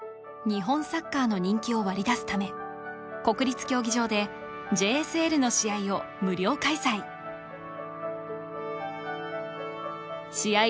日本サッカーの人気を割り出すため国立競技場でＪＳＬの試合を無料開催試合